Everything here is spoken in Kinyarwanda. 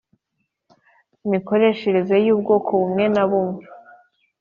mikoreshereze y ubwoko bumwe na bumwe